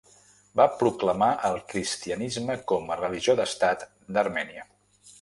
Va proclamar el cristianisme com a religió d'estat d'Armènia.